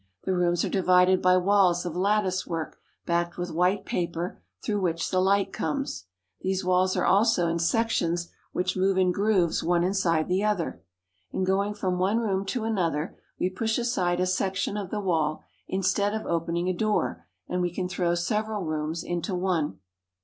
The rooms are di vided by walls of latticework backed with white paper, through which the light comes. These walls are also in sections which move in grooves one inside the other. In going from one room to another, we push aside a section of the wall instead of opening a door, and we can throw several rooms into one.